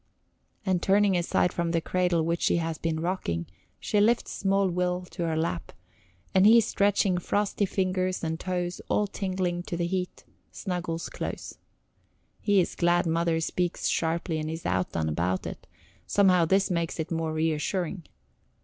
And turning aside from the cradle which she has been rocking, she lifts small Will to her lap, and he stretching frosty fingers and toes all tingling to the heat, snuggles close. He is glad Mother speaks sharply and is outdone about it; somehow this makes it more reassuring.